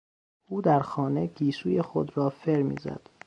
او در خانه گیسوی خود را فر میزند.